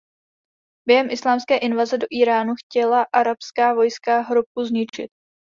Během islámské invaze do Íránu chtěla arabská vojska hrobku zničit.